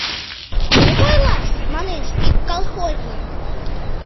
— Мом ойлаш? — манеш ик колхозник.